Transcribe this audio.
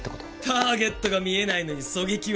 ターゲットが見えないのに狙撃は不可能！